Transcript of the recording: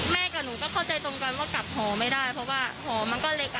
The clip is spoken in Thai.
กับหนูก็เข้าใจตรงกันว่ากลับหอไม่ได้เพราะว่าหอมันก็เล็ก